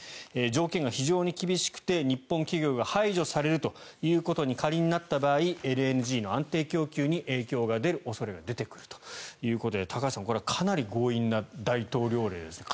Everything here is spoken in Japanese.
条件が非常に厳しくて日本企業が排除されるということに仮になった場合ＬＮＧの安定供給に影響が出る恐れが出てくるということで高橋さん、これはかなり強引な大統領令ですね。